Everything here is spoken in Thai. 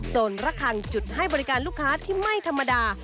ระนระคังจุดให้บริการลูกค้าที่ไม่ธรรมดา